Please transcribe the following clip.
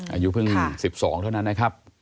อายุเพิ่ง๑๒เท่านั้นนะครับ